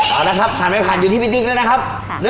เอาละครับผ่านไปผ่านอยู่ที่พี่ติ๊กแล้วนะครับ